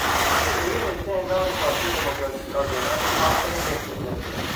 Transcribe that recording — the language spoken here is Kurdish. Li Êlihê sê endamên Partiya Demokratîk a Gelanê hatin desteserkirin.